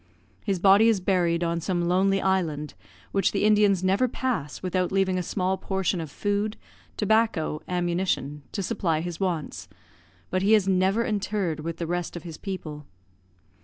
His body is buried on some lonely island, which the Indians never pass without leaving a small portion of food, tobacco, ammunition, to supply his wants; but he is never interred with the rest of his people.